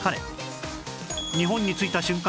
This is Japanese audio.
日本に着いた瞬間